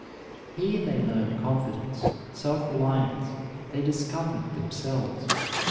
Here they learned confidence, self reliance; they discovered themselves.